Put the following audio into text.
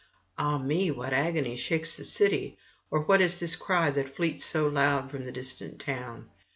'Ah me! what agony shakes the city? or what is this cry that fleets so loud from the distant town?'